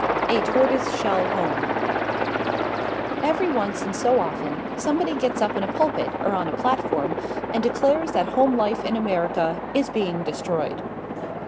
XXI A TORTOISE SHELL HOME Every once in so often somebody gets up in a pulpit or on a platform and declares that home life in America is being destroyed.